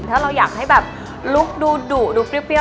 ถ้าเราอยากให้แบบลุคดูดุดูเปรี้ยว